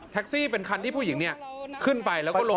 ซี่เป็นคันที่ผู้หญิงเนี่ยขึ้นไปแล้วก็ลง